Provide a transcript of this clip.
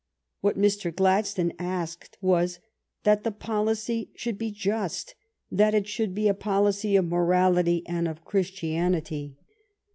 What Mr. Gladstone asked was that the policy should be just, that it should be a policy of morality and of Christianity.